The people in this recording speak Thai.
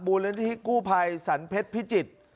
บูรณทิศกู้ภัยสันเพชรพิจิตย์